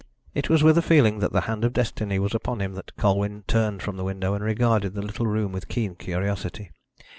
It was with a feeling that the hand of Destiny was upon him that Colwyn turned from the window and regarded the little room with keen curiosity.